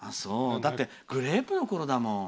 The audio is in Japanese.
だって、グレープのころだもん。